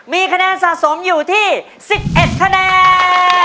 มีคะแนนสะสมอยู่ที่๑๑คะแนน